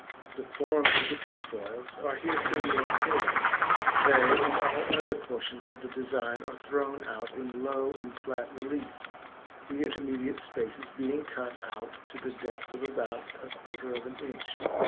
The forms of the trefoils are here seen more clearly; they, and all the other portions of the design, are thrown out in low and flat relief, the intermediate spaces being cut out to the depth of about a quarter of an inch.